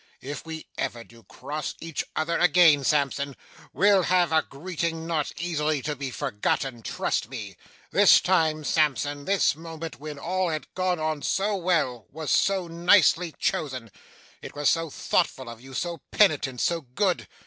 If we ever do cross each other again, Sampson, we'll have a greeting not easily to be forgotten, trust me. This time, Sampson, this moment when all had gone on so well, was so nicely chosen! It was so thoughtful of you, so penitent, so good.